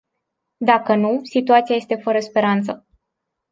Dacă nu, situația este fără speranță.